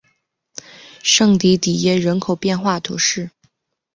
圣迪迪耶人口变化图示